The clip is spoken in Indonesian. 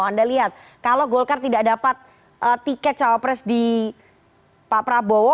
anda lihat kalau golkar tidak dapat tiket cawapres di pak prabowo